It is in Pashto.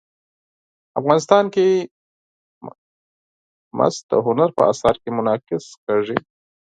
افغانستان کې مس د هنر په اثار کې منعکس کېږي.